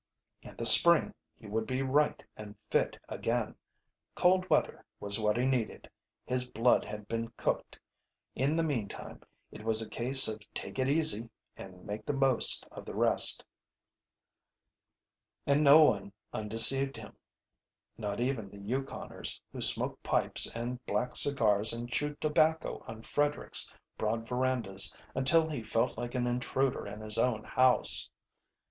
In the spring he would be right and fit again. Cold weather was what he needed. His blood had been cooked. In the meantime it was a case of take it easy and make the most of the rest. And no one undeceived him not even the Yukoners, who smoked pipes and black cigars and chewed tobacco on Frederick's broad verandas until he felt like an intruder in his own house.